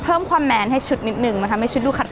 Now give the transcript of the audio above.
เพิ่มความแมนให้ชุดนิดนึงมาทำให้ชุดดูขัด